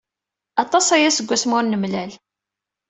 Aṭas aya seg wasmi ur nemlal.